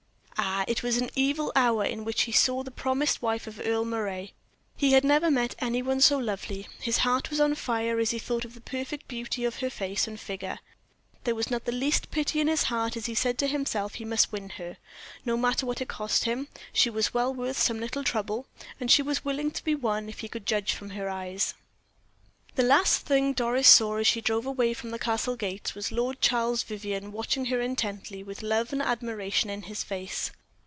Ah, it was an evil hour in which he saw the promised wife of Earle Moray! He had never met any one so lovely; his heart was on fire as he thought of the perfect beauty of her face and figure. There was not the least pity in his heart as he said to himself he must win her, no matter what it cost him; she was well worth some little trouble, and she was willing to be won, if he could judge from her eyes. The last thing Doris saw, as she drove away from the Castle gates, was Lord Charles Vivianne watching her intently, with love and admiration in his face.